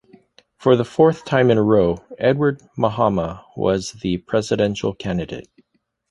For the fourth time in a row, Edward Mahama was the presidential candidate.